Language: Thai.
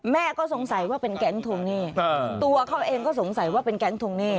แม่ก็สงสัยว่าเป็นแก๊งทวงหนี้ตัวเขาเองก็สงสัยว่าเป็นแก๊งทวงหนี้